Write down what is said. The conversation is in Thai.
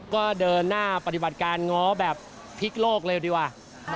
ก็เดินหน้าปฏิบัติการง้อแบบพลิกโลกเลยดีกว่า